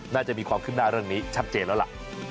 น่าจะมีความขึ้นหน้าเรื่องนี้ชัดเจนแล้วล่ะ